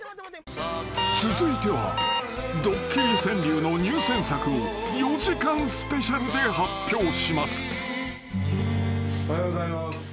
［続いてはドッキリ川柳の入選作を４時間スペシャルで発表します］